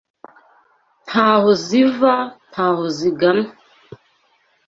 ntaho ziva ntaho zigana,